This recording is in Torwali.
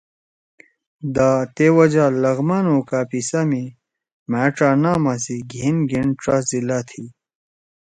دا تے وجہ لغمان او کاپیسا می مھأ ڇا ناما سی گھین گھین ڇا ضلع تھی۔